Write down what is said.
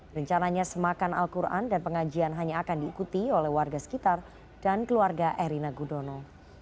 rencananya semakan al quran dan pengajian hanya akan diikuti oleh warga sekitar dan keluarga erina gudono